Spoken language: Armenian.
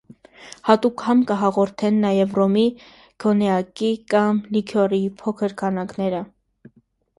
Յատուկ համ կը հաղորդեն նաեւ ռոմի, քոնեակի կամ լիքիորի փոքր քանակները։